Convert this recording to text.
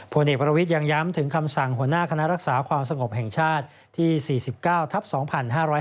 ผลเอกประวิทย์ยังย้ำถึงคำสั่งหัวหน้าคณะรักษาความสงบแห่งชาติที่๔๙ทับ๒๕๕๙